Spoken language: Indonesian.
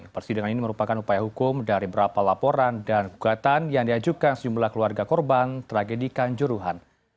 persidangan ini merupakan upaya hukum dari berapa laporan dan gugatan yang diajukan sejumlah keluarga korban tragedikan juruhan